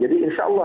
jadi insya allah